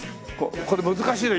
これ難しいな。